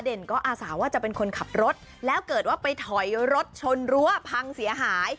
ก็อาสาว่าจะเป็นคนขับรถแล้วเกิดว่าไปถอยรถชนรั้วพังเสียหาย